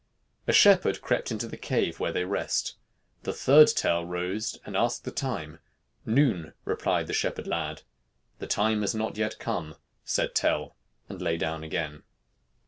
A shepherd crept into the cave where they rest. The third Tell rose and asked the time. "Noon," replied the shepherd lad. "The time is not yet come," said Tell, and lay down again.